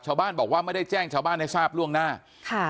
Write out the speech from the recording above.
ชาวบ้านบอกว่าไม่ได้แจ้งชาวบ้านให้ทราบล่วงหน้าค่ะ